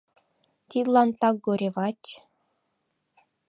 Тидлан так горевать...